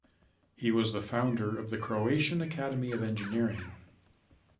He was the founder of the Croatian Academy of Engineering.